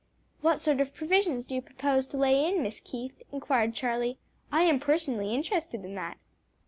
"What sort of provisions do you propose to lay in, Miss Keith?" inquired Charlie. "I am personally interested in that."